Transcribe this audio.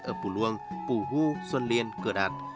ở pù luông pù hưu xuân liên cửa đạt